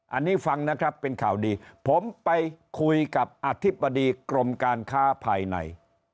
อันนี้ฟังนะครับเป็นข่าวดีผมไปคุยกับอธิบดีกรมการค้าภายใน